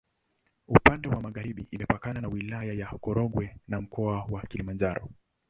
Upande wa magharibi imepakana na Wilaya ya Korogwe na Mkoa wa Kilimanjaro.